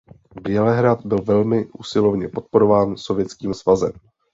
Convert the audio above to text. Bělehrad byl velmi usilovně podporován Sovětským svazem.